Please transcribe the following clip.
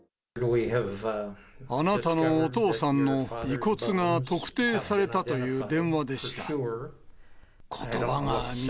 あなたのお父さんの遺骨が特定されたという電話でした。